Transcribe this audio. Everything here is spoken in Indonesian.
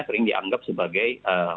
sering dianggap sebagai